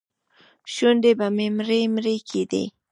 شونډې به مې مرۍ مرۍ کېدې.